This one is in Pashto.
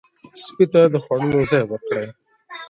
سپي ته د خوړلو ځای ورکړئ.